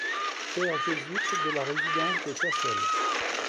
Pères Jésuites de la résidence de Cassel.